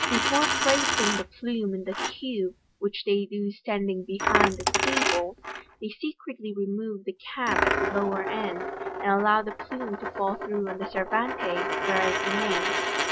Before placing the plume in the tube, which they do standing behind the table, they secretly remove the cap at the lower end, and allow the plume to fall through on the servante, where it remains.